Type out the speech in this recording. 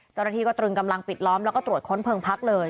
เจ้าหน้าที่ก็ตรึงกำลังปิดล้อมแล้วก็ตรวจค้นเพลิงพักเลย